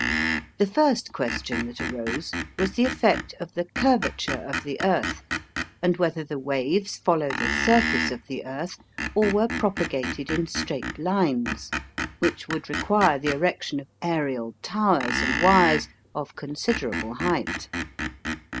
The first question that arose was the effect of the curvature of the Earth and whether the waves follow the surface of the Earth or were propagated in straight lines, which would require the erection of aerial towers and wires of considerable height.